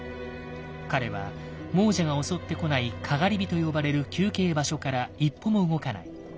彼は亡者が襲ってこない「篝火」と呼ばれる休憩場所から一歩も動かない。